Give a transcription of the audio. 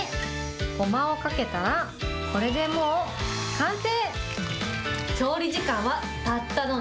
ごまをかけたらこれでもう完成。